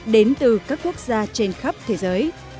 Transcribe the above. đến từ các quốc gia trên khắp thế giới